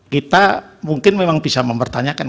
kita mungkin memang bisa mempertanyakan